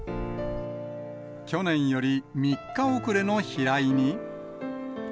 去年より３日遅れの飛来に。